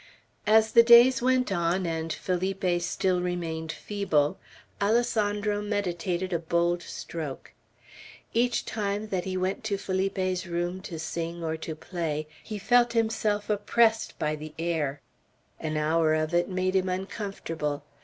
As the days went on, and Felipe still remained feeble, Alessandro meditated a bold stroke. Each time that he went to Felipe's room to sing or to play, he felt himself oppressed by the air. An hour of it made him uncomfortable.